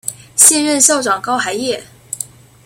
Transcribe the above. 现任校长高海燕。